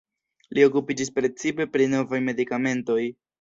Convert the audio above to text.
Li okupiĝis precipe pri novaj medikamentoj.